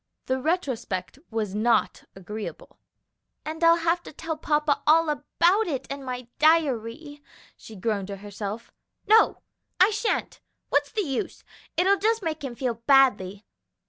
The retrospect was not agreeable. "And I'll have to tell papa all about it in my diary," she groaned to herself. "No, I sha'n't; what's the use? it'll just make him feel badly.